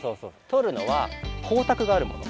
とるのは光たくがあるもの